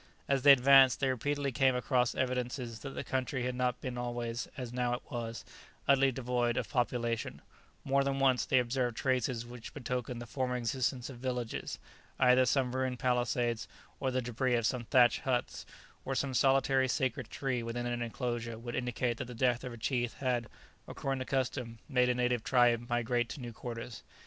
As they advanced, they repeatedly came across evidences that the country had not been always, as now it was, utterly devoid of population; more than once, they observed traces which betokened the former existence of villages; either some ruined palisades or the débris of some thatched huts, or some solitary sacred tree within an enclosure would indicate that the death of a chief had, according to custom, made a native tribe migrate to new quarters.